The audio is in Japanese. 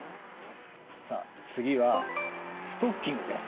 さあ次はストッキングです。